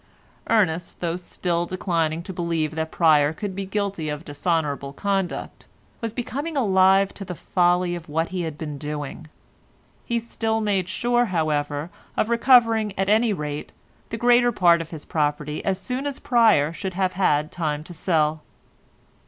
Ernest, though still declining to believe that Pryer could be guilty of dishonourable conduct, was becoming alive to the folly of what he had been doing; he still made sure, however, of recovering, at any rate, the greater part of his property as soon as Pryer should have had time to sell.